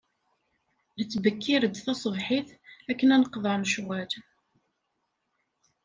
Nettbekkir-d tasebḥit, akken ad neqḍeɛ lecɣal.